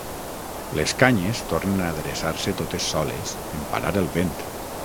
Les canyes tornen a adreçar-se totes soles, en parar el vent.